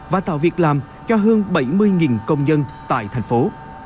và tạo việc làm cho hơn bảy mươi công nhân tại thành phố